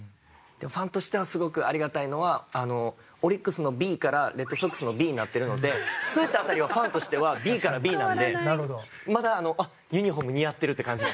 ファンとしてはすごくありがたいのはオリックスのＢからレッドソックスのＢになってるのでそういった辺りはファンとしてはＢからＢなんでまだユニホーム似合ってるって感じ。